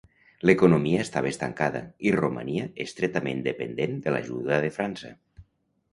L'economia estava estancada i romania estretament depenent de l'ajuda de França.